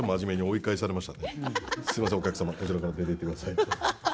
「すみません、お客様こちらから出て行ってださい」。